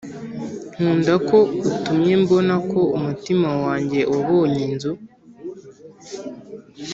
nkunda ko utumye mbona ko umutima wanjye wabonye inzu.